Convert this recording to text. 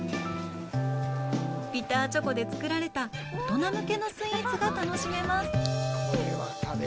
ビターチョコで作られた、大人向けのスイーツが楽しめます。